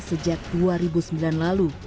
sejak dua ribu sembilan lalu